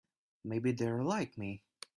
Maybe they're like me.